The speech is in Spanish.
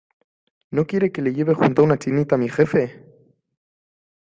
¿ no quiere que le lleve junto a una chinita, mi jefe?...